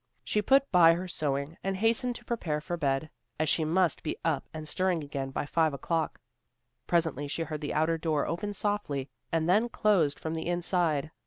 She put by her sewing, and hastened to prepare for bed, as she must be up and stirring again by five o'clock. Presently she heard the outer door opened softly, and then closed from the inside.